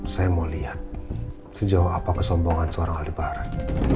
saya mau lihat sejauh apa kesombongan seorang ahli barat